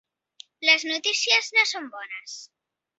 Les notícies no són bones.